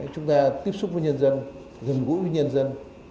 chúng ta tiếp xúc với nhân dân gần gũi với nhân dân